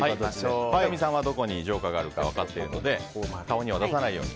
三上さんはどこにジョーカーがあるか、分かってるので顔には出さないように。